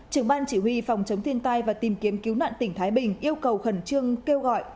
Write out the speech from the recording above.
trưởng ban chỉ huy phòng chống thiên tai và tìm kiếm cứu nạn tỉnh thái bình yêu cầu khẩn trương kêu gọi